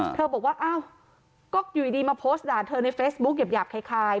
เธอบอกว่าอ้าวก็อยู่ดีมาโพสต์ด่าเธอในเฟซบุ๊คหยาบคล้าย